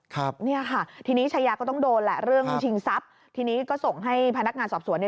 ครับเนี่ยค่ะทีนี้ชายาก็ต้องโดนแหละเรื่องชิงทรัพย์ทีนี้ก็ส่งให้พนักงานสอบสวนเนี่ย